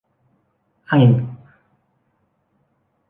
อ้างอิง